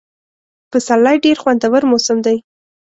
پسرلی ډېر خوندور موسم دی.